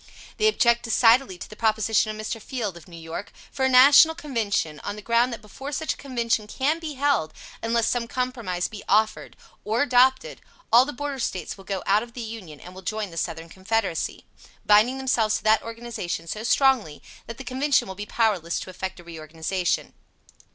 They object decidedly to the proposition of Mr. Field, of New York, for a National Convention, on the ground that before such a Convention can be held, unless some compromise be offered, or adopted, all the Border States will go out of the Union and will join the Southern Confederacy, binding themselves to that organization so strongly that the Convention will be powerless to effect a reorganization.